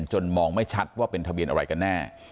มองไม่ชัดว่าเป็นทะเบียนอะไรกันแน่